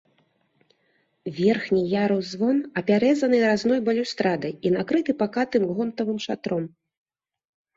Верхні ярус-звон апяразаны разной балюстрадай і накрыты пакатым гонтавым шатром.